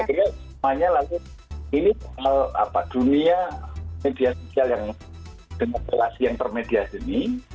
akhirnya semuanya lalu ini soal dunia media sosial yang dengan relasi yang termediasi ini